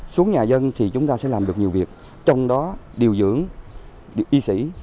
xuống nhà dân thì chúng ta sẽ làm được nhiều việc trong đó điều dưỡng y sĩ